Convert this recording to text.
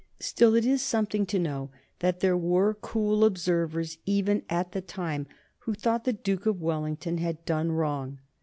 Still, it is something to know that there were cool observers even at the time who thought the Duke of Wellington had done wrong.